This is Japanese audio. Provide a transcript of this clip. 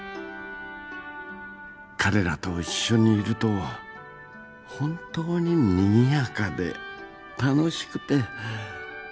彼らと一緒にいると本当ににぎやかで楽しくて。